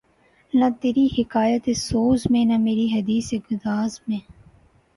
نہ تری حکایت سوز میں نہ مری حدیث گداز میں